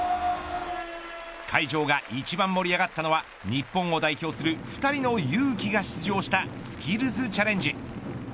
会場が一番盛り上がったのは日本を代表する２人のユウキが出場したスキルズチャレンジ。